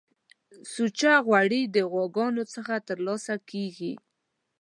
سوچه غوړی د غواګانو څخه ترلاسه کیږی